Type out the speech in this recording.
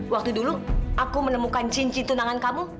waktu dulu aku menemukan cinci tunangan kamu